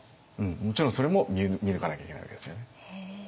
もちろんそれも見抜かなきゃいけないわけですよね。